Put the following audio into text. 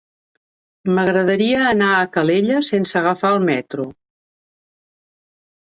M'agradaria anar a Calella sense agafar el metro.